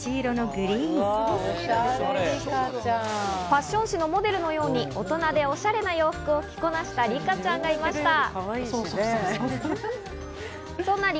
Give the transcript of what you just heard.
ファッション誌のモデルのように、大人でおしゃれな洋服を着こなしたリカちゃんがいました。